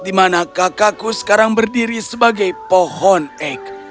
di mana kakakku sekarang berdiri sebagai pohon ek